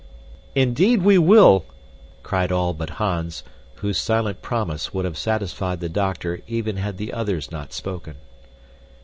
"Indeed we will!" cried all but Hans, whose silent promise would have satisfied the doctor even had the others not spoken.